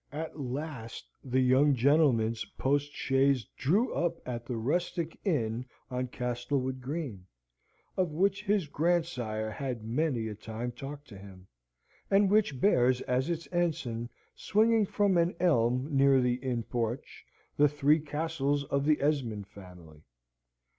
At last the young gentleman's postchaise drew up at the rustic inn on Castlewood Green, of which his grandsire had many a time talked to him, and which bears as its ensign, swinging from an elm near the inn porch, the Three Castles of the Esmond family.